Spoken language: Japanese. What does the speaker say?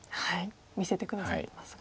見せて下さいますが。